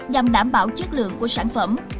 nhằm đảm bảo chất lượng của sản phẩm